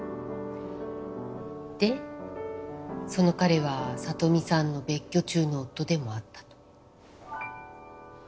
でその彼はサトミさんの別居中の夫でもあったと。